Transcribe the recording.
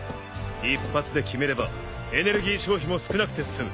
一発で決めればエネルギー消費も少なくて済む。